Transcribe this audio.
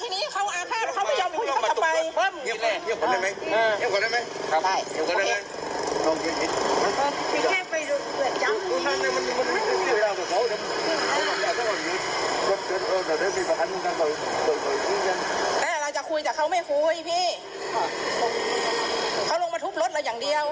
แม่เราจะคุยแต่เขาไม่คุยพี่เขาลงมาทุบรถเราอย่างเดียว